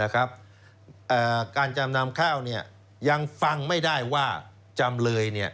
การจำนำข้าวยังฟังไม่ได้ว่าจำเลย